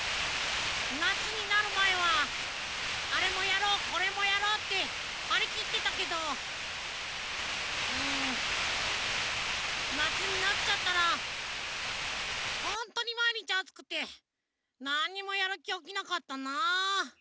なつになるまえはあれもやろうこれもやろうってはりきってたけどうんなつになっちゃったらホントにまいにちあつくてなんにもやるきおきなかったなあ。